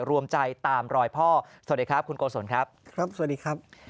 รวมใจตามรอยพ่อสวัสดีครับคุณโกศลครับครับสวัสดีครับ